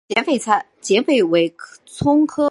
碱韭为葱科葱属的植物。